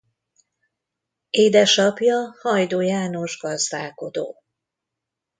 Édesapja Hajdú János gazdálkodó.